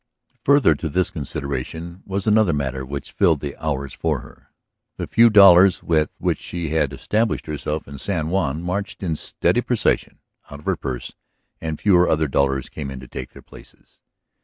Further to this consideration was another matter which filled the hours for her. The few dollars with which she had established herself in San Juan marched in steady procession out of her purse and fewer other dollars came to take their places.